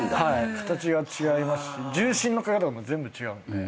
形が違いますし重心のかけ方も全部違うので。